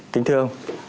kính thưa ông